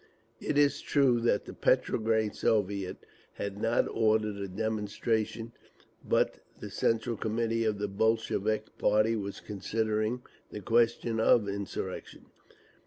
It is true that the Petrograd Soviet had not ordered a demonstration, but the Central Committee of the Bolshevik party was considering the question of insurrection.